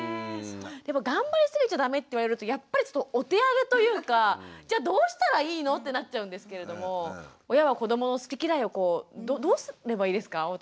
でも頑張りすぎちゃダメって言われるとやっぱりちょっとお手上げというかじゃあどうしたらいいのってなっちゃうんですけれども親は子どもの好き嫌いをどうすればいいですか？